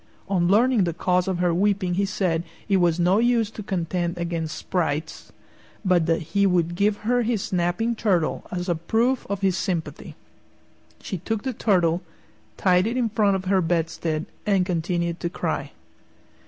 On learning the cause of her weeping he said it was no use to contend against sprites, but that he would give her his snapping turtle as a proof of his sympathy. She took the turtle, tied it in front of her bedstead, and continued to cry.